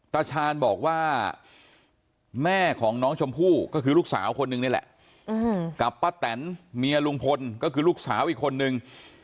ตาชาญบอกว่าแม่ของน้องชมพู่ก็คือลูกสาวคนนึงนี่แหละกับป้าแตนเมียลุงพลก็คือลูกสาวอีกคนนึง